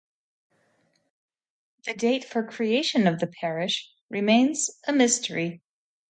The date for the creation of the parish remains a mystery.